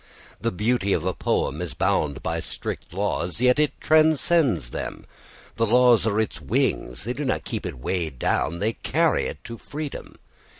The beauty of a poem is bound by strict laws, yet it transcends them. The laws are its wings, they do not keep it weighed down, they carry it to freedom.